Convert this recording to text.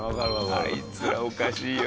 あいつはおかしいよ。